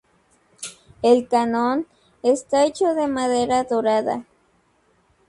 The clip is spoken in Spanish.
El kannon está hecho de madera dorada.